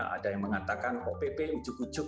ada yang mengatakan oh pp ujuk ujuk